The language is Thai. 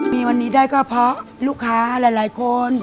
มีวันนี้ได้ก็เพราะลูกค้าหลายคน